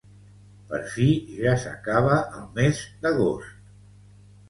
Per fi ja s'acaba el mes d'agost!